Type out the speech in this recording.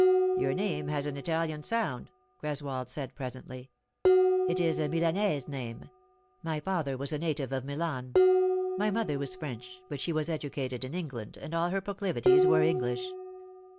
" Your name has an Italian sound," G reswold said presently. " It is a Milanese name. My father was a native of Milan ; my mother was French, but she was educated in England, and all her proclivities were English.